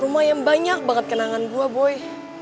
rumah yang banyak banget kenangan gue boy